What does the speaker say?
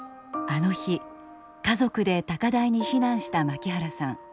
あの日家族で高台に避難した槙原さん。